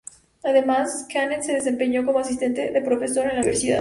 Además, Canet se desempeñó como asistente de profesor en la universidad.